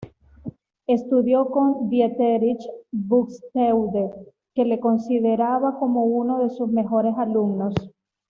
Estudió con Dieterich Buxtehude, que le consideraba como uno de sus mejores alumnos.